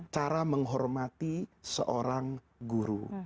cara menghormati seorang guru